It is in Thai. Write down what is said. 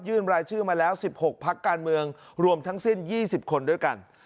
รายชื่อมาแล้ว๑๖พักการเมืองรวมทั้งสิ้น๒๐คนด้วยกัน